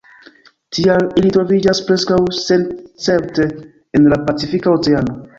Tial ili troviĝas preskaŭ senescepte en la Pacifika Oceano.